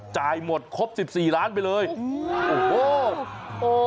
จ่ายหมดครบ๑๔ล้านไปเลยโอ้โฮ